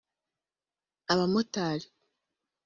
abamotari